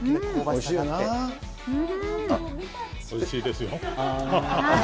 おいしいですよ。